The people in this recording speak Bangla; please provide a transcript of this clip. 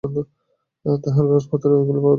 তাঁহার কাগজ-পত্রের মধ্যেই এগুলি পাওয়া যায়।